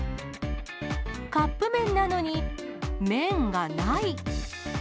カップ麺なのに、麺がない。